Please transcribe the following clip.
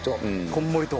こんもりと。